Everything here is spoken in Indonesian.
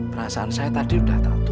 perasaan saya tadi sudah tak tutup